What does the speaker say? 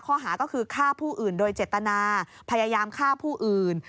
ข้อหาก็คือฆ่าผู้อื่นโดยเจตนาพยายามฆ่าผู้อื่น